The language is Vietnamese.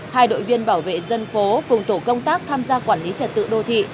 hai đội viên bảo vệ dân phố cùng tổ công tác tham gia quản lý trật tự đô thị